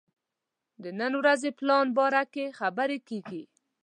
د نن ورځې پلان باره کې خبرې کېږي.